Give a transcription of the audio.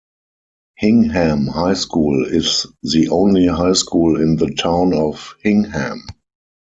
Hingham High School is the only High School in the town of Hingham.